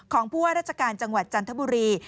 ของผู้ว่าราชการจังหวัดจันทบุรี